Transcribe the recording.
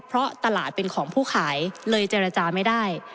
เพราะตลาดเป็นของผู้ขายเลยเจรจาไม่ได้